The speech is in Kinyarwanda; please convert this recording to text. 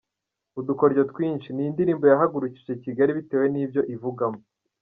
Udukoryo Twinshi”, ni indirimbo yahagurukije Kigali bitewe n’ibyo ivugamo.